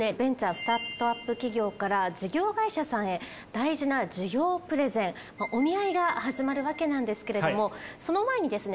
スタートアップ企業から事業会社さんへ大事な事業プレゼンお見合いが始まるわけなんですけれどもその前にですね